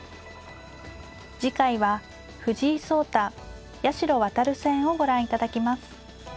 次回は藤井聡太八代弥戦をご覧いただきます。